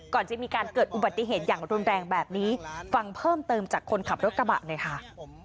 ก่อนจะมีการเกิดอุบัติเหตุอย่างรุนแรงแบบนี้ฟังเพิ่มเติมจากคนขับรถกระบะหน่อยค่ะ